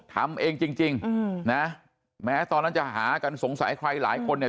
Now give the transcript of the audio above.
ทำเองจริงนะแม้ตอนนั้นจะหากันสงสัยใครหลายคนเนี่ย